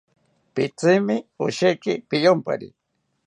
Pitzimi osheki piyompari